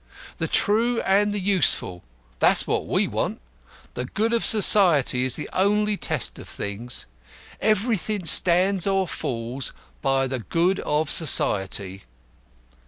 The True and the Useful that's what we want. The Good of Society is the only test of things. Everything stands or falls by the Good of Society."